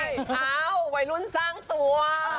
ที่ไหนได้เอ้าวัยรุ่นสร้างตัว